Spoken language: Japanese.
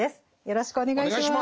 よろしくお願いします。